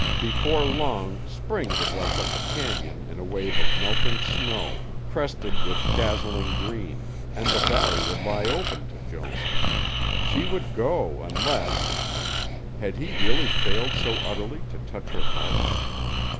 Before long spring would rush up the cañon in a wave of melting snow, crested with dazzling green, and the valley would lie open to Joan. She would go unless had he really failed so utterly to touch her heart?